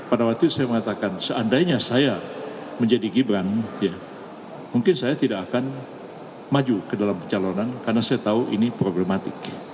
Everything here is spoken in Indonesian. pada waktu itu saya mengatakan seandainya saya menjadi gibran mungkin saya tidak akan maju ke dalam pencalonan karena saya tahu ini problematik